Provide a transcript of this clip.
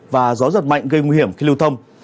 và gió giật mạnh gây nguy hiểm khi lưu thông